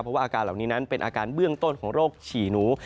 เพราะว่าอาการเหล่านี้นั้นเป็นอาการเบื้องต้นของโรคฉี่หนู